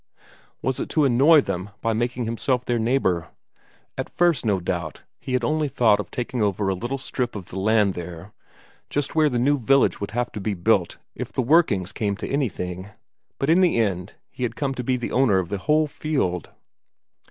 Was it to annoy them by making himself their neighbour? At first, no doubt, he had only thought of taking over a little strip of the land there, just where the new village would have to be built if the workings came to anything, but in the end he had come to be owner of the whole fjeld.